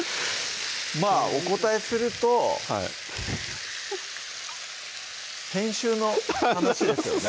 まぁお答えするとはい編集の話ですよね